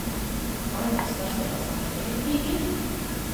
ایا ستاسو اذان به نه کیږي؟